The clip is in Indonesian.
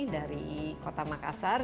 dari kota makassar